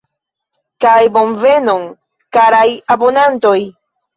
Kaj bonvenon, karaj abonantoj!!!